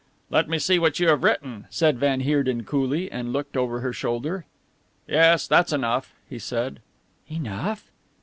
"Let me see what you have written," said van Heerden coolly, and looked over her shoulder. "Yes, that's enough," he said. "Enough?"